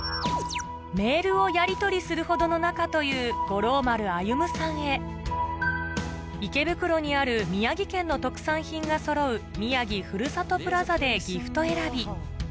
メールをやりとりするほどの仲という五郎丸歩さんへ池袋にある宮城県の特産品がそろう宮城ふるさとプラザでギフト選び